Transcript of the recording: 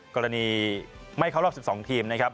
กรณีไม่เข้ารอบ๑๒ทีมนะครับ